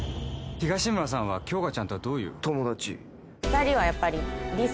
東村さんは杏花ちゃんとはどういう？